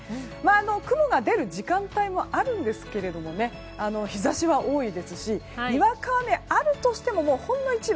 雲が出る時間もあるんですけれども日差しは多いですしにわか雨があるとしてもほんの一部。